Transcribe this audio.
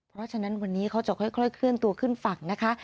เพราะฉะนั้นวันนี้เขาจะค่อยเคลื่อนตัวขึ้นฝั่งนะคะ